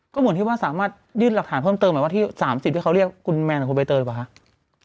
ก็เหมือนที่ว่าสามารถยื่นหลักฐานเพิ่มเติมหมายว่าที่๓๐ที่เขาเรียกคุณแมนของคุณใบเตยหรือเปล่าคะ